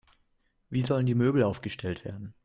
Wie sollen die Möbel aufgestellt werden?